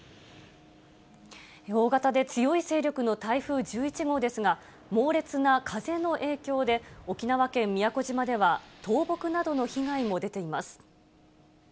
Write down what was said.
大型で強い勢力の台風１１号ですが、猛烈な風の影響で、沖縄県宮古島では倒木などの被害も出ています。